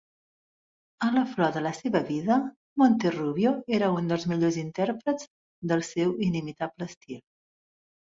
A la flor de la seva vida, Monterrubio era un dels millors intèrprets del seu inimitable estil.